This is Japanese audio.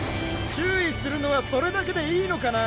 注意するのはそれだけでいいのかな？